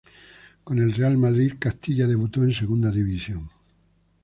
Con el Real Madrid Castilla debutó en Segunda División.